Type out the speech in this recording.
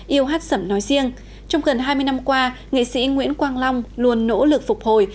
yêu hát sẩm nói riêng trong gần hai mươi năm qua nghệ sĩ nguyễn quang long luôn nỗ lực phục hồi